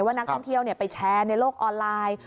นักท่องเที่ยวไปแชร์ในโลกออนไลน์